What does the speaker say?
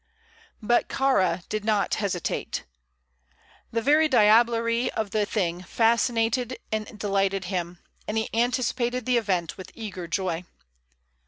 But Kāra did not hesitate. The very diablerie of the thing fascinated and delighted him, and he anticipated the event with eager joy.